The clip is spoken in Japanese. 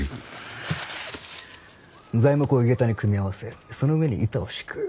材木を井桁に組み合わせその上に板を敷く。